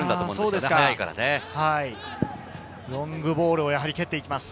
やはりロングボールを蹴っていきます。